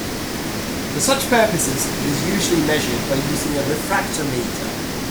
For such purposes, it is usually measured by using a refractometer.